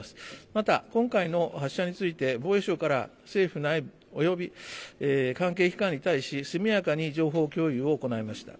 また今回の発射について防衛省から政府内部および関係機関に対し速やかに情報共有を行いました。